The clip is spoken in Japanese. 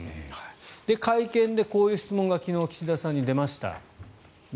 会見でこういう質問が昨日、岸田さんに出ました。